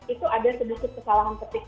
itu ada sedikit kesalahan petik